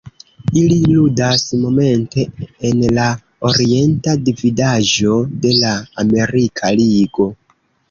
Ili ludas momente en la Orienta Dividaĵo de la Amerika Ligo.